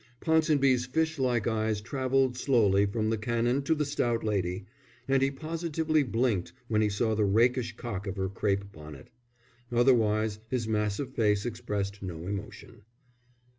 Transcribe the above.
Ponsonby's fish like eyes travelled slowly from the Canon to the stout lady, and he positively blinked when he saw the rakish cock of her crape bonnet. Otherwise his massive face expressed no emotion.